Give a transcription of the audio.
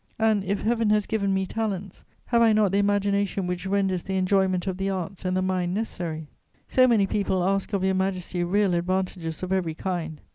And, if Heaven has given me talents, have I not the imagination which renders the enjoyment of the arts and the mind necessary? So many people ask of Your Majesty real advantages of every kind!